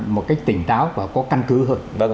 một cách tỉnh táo và có căn cứ hơn